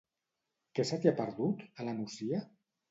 Què se t'hi ha perdut, a la Nucia?